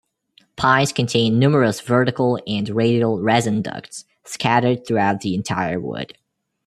Pines contain numerous vertical and radial resin ducts scattered throughout the entire wood.